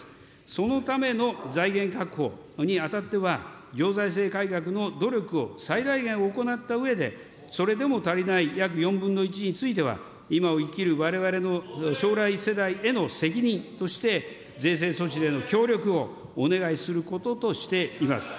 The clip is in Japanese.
そのための財源確保にあたっては、行財政改革の努力を最大限行ったうえで、それでも足りない約４分の１については、今を生きるわれわれの将来世代への責任として税制措置での協力をお願いすることとしています。